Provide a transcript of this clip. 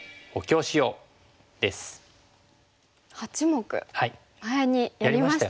八目前にやりましたね。